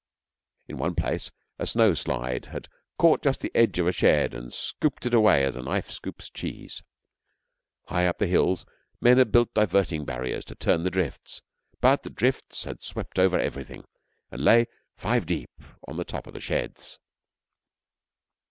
In one place a snow slide had caught just the edge of a shed and scooped it away as a knife scoops cheese. High up the hills men had built diverting barriers to turn the drifts, but the drifts had swept over everything, and lay five deep on the top of the sheds.